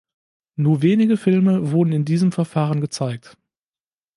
Nur wenige Filme wurden in diesem Verfahren gezeigt.